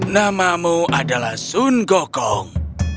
namamu adalah sun gokong